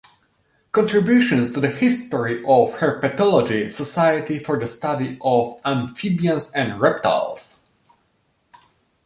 Contributions to the History of Herpetology, Society for the Study of Amphibians and Reptiles.